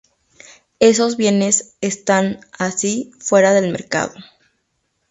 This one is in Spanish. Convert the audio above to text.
Esos bienes están así fuera del mercado.